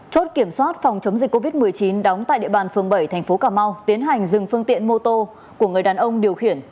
chốt kiểm soát phòng chống dịch covid một mươi chín đóng tại địa bàn phường bảy thành phố cà mau tiến hành dừng phương tiện mô tô của người đàn ông điều khiển